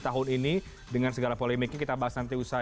tahun ini dengan segala polemiknya kita akan mencari tahu dari anda